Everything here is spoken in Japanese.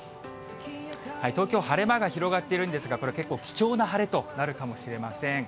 東京、晴れ間が広がっているんですが、これ、結構貴重な晴れとなるかもしれません。